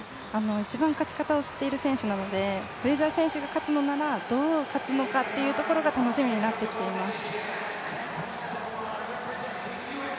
一番勝ち方を知っている選手なので、フレイザー選手が勝つのなら、どう勝つのかというのが楽しみになってきています。